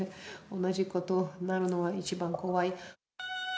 同じことになるのが一番怖い。